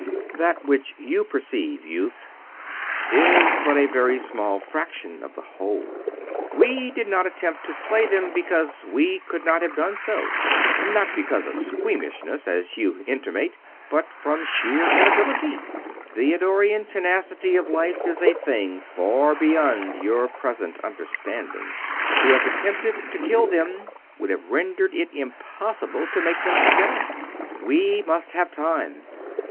"That which you perceive, youth, is but a very small fraction of the whole. We did not attempt to slay them because we could not have done so. Not because of squeamishness, as you intimate, but from sheer inability. The Eddorian tenacity of life is a thing far beyond your present understanding; to have attempted to kill them would have rendered it impossible to make them forget us. We must have time